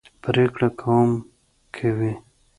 پرېکړه کوم کوي.